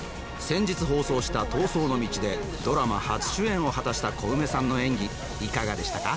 先日放送した「逃走の道」でドラマ初主演を果たしたコウメさんの演技いかがでしたか？